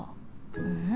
うん？